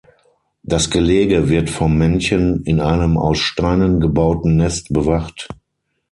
Das Gelege wird vom Männchen in einem aus Steinen gebauten Nest bewacht.